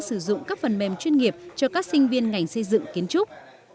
đào tạo kỹ năng sử dụng các phần mềm chuyên nghiệp cho các sinh viên ngành xây dựng kiến trúc